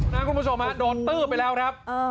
น้องคุณผู้ชมโดดตื้อไปแล้วครับ